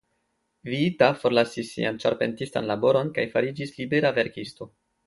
Viita forlasis sian ĉarpentistan laboron kaj fariĝis libera verkisto.